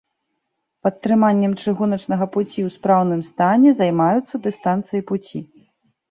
Падтрыманнем чыгуначнага пуці ў спраўным стане займаюцца дыстанцыі пуці.